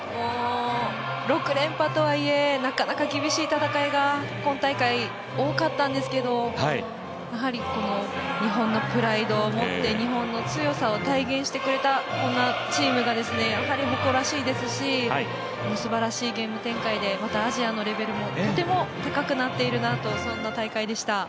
６連覇とはいえなかなか、厳しい戦いが今大会、多かったんですがやはり、日本のプライドを持って日本の強さを体現してくれたチームがやはり誇らしいですしすばらしいゲーム展開でまた、アジアのレベルもとても、高くなっているなとそんな大会でした。